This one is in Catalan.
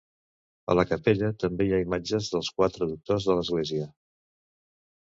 A la capella també hi ha imatges dels quatre doctors de l'Església.